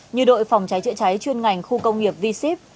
như đội phòng cháy chữa cháy chuyên ngành khu công nghiệp v ship